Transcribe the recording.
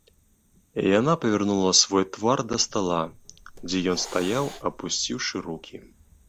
Яна павярнула свой твар да стала, дзе ён стаяў, апусціўшы рукі.